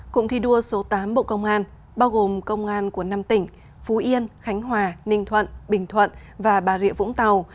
cụm thi đua số tám bộ công an bao gồm công an của năm tỉnh phú yên khánh hòa ninh thuận bình thuận và bà rịa vũng tàu